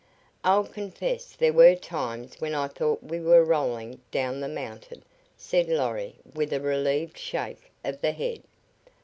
"I'll confess there were times when I thought we were rolling down the mountain," said Lorry, with a relieved shake of the head.